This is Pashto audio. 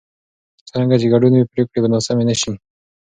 څرنګه چې ګډون وي، پرېکړې به ناسمې نه شي.